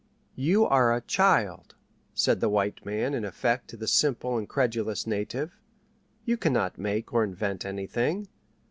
"You are a child," said the white man in effect to the simple and credulous native. "You cannot make or invent anything.